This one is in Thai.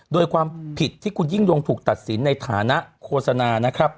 โดยความผิดที่คุณยิ่งยงถูกตัดสินในฐานะโฆษณานะครับ